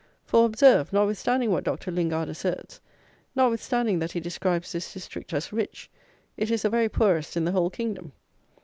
For, observe, notwithstanding what Dr. Lingard asserts; notwithstanding that he describes this district as "rich," it is the very poorest in the whole kingdom.